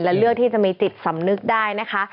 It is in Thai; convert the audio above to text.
และเลือกที่จะมีจิตสำนึกได้นะคะ